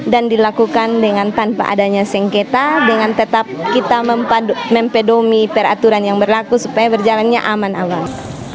dan dilakukan dengan tanpa adanya sengketa dengan tetap kita mempedomi peraturan yang berlaku supaya berjalannya aman awal